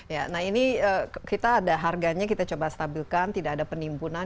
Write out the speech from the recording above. ya nah ini kita ada harganya kita coba stabilkan tidak ada penimbunan